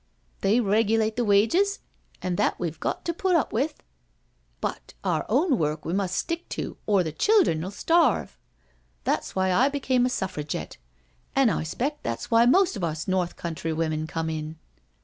They regulate the wages, an' that we've got to put up wi', but our own work we must stick to, or the childhern'U starve. That's why I became a Suffragette— an' I 'spect that's why most of us North Country wimmun come in.